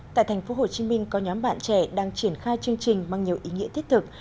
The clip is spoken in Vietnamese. tại tp hcm có nhóm bạn trẻ đang triển khai chương trình mang nhiều ý nghĩa thiết thực